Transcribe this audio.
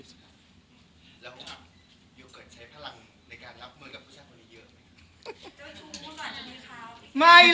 อย่ว่าเกิดใช้พลังในการรับมือกับผู้ชายนี้เยอะ